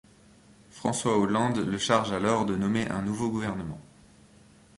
François Hollande le charge alors de nommer un nouveau gouvernement.